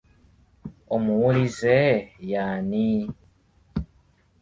Omuwulize y'ani?